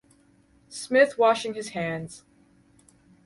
Smith washing his hands!